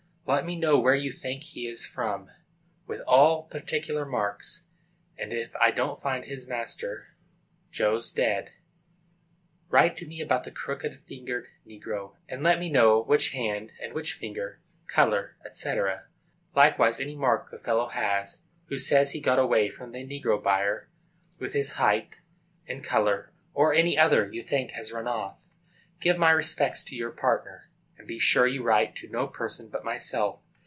Let me know where you think he is from, with all particular marks, and if I don't find his master, Joe's dead! Write to me about the crooked fingered negro, and let me know which hand and which finger, color, &c. likewise any mark the fellow has who says he got away from the negro buyer, with his height and color, or any other you think has run off. Give my respects to your partner, and be sure you write to no person but myself.